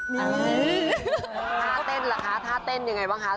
ท่าเต้นล่ะคะท่าเต้นยังไงบ้างคะ